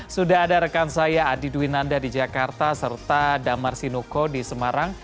sudah ada rekan saya adi dwinanda di jakarta serta damar sinuko di semarang